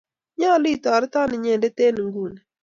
Nyalu itoreto inyendet en inguni.